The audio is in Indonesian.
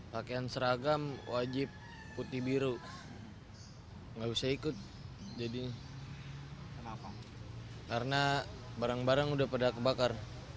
pakaian seragam wajib putih biru nggak usah ikut karena barang barang udah pada kebakar